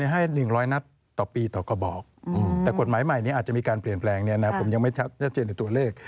ให้๑๒นัดต่อปีต่อกบอก